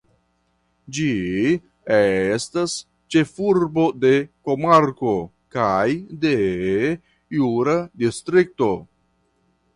Ĝi estas ĉefurbo de komarko kaj de jura distrikto.